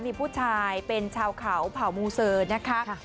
มีผู้ชายเป็นชาวเขาเผ่ามูเซอร์นะคะ